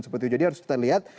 seperti itu jadi harus kita lihat